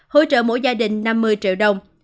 hỗ trợ mỗi gia đình năm mươi triệu đồng